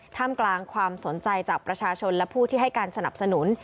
ท่ามกลางความสนใจจากประชาชนและผู้ที่ให้การสนับสนุน